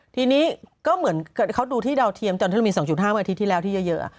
ทีนี้ก็เหมือนเขาดูที่ดาวเทียมตอนที่เรามี๒๕เมื่ออาทิตย์ที่แล้วที่เยอะ